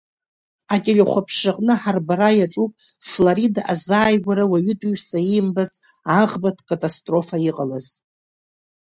Ателехәаԥшраҟны ҳарбара иаҿуп Флорида азааигәара уаҩытәыҩса иимбац аӷбатә катастрофа иҟалаз.